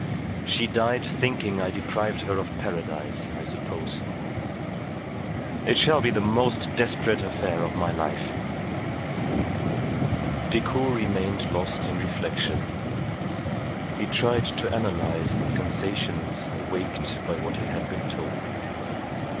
She died thinking I deprived her of Paradise, I suppose. It shall be the most desperate affair of my life." Decoud remained lost in reflection. He tried to analyze the sensations awaked by what he had been told.